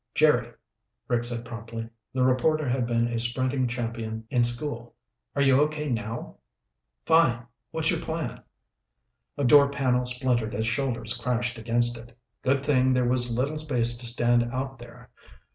"Jerry," Rick said promptly. The reporter had been a sprinting champion in school. "Are you okay now?" "Fine. What's your plan?" A door panel splintered as shoulders crashed against it. Good thing there was little space to stand out there.